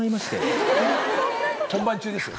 本番中ですよ。